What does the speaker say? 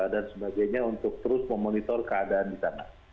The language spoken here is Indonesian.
dan sebagainya untuk terus memonitor keadaan di sana